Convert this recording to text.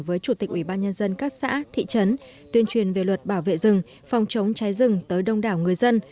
với chủ tịch ủy ban nhân dân các xã thị trấn tuyên truyền về luật bảo vệ rừng phòng chống cháy rừng tới đông đảo người dân